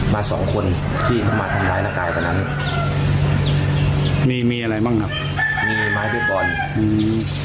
มาสองคนที่เขามาทำร้ายร่างกายวันนั้นมีมีอะไรบ้างครับมีไม้เบสบอลอืม